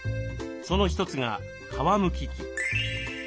その一つが皮むき器。